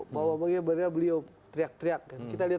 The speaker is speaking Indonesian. bahwa bagaimana beliau teriak teriak